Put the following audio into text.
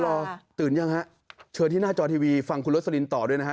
ตื่นยังฮะเชิญที่หน้าจอทีวีฟังคุณโรสลินต่อด้วยนะฮะ